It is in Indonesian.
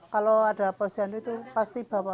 kalau ada posyandu itu pasti bapak